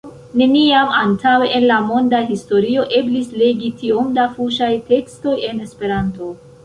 Neniam antaŭe en la monda historio eblis legi tiom da fuŝaj tekstoj en Esperanto.